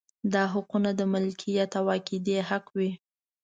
دا حقونه د مالکیت او عقیدې حق وي.